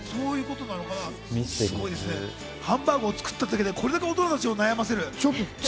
ハンバーグを作っただけでこれだけ大人たちを悩ませる。